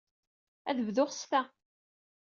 Ad bduɣ s ta.